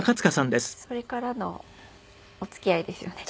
それからのお付き合いですよね。